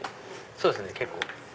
そうですね結構。